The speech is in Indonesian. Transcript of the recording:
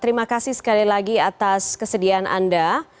terima kasih sekali lagi atas kesediaan anda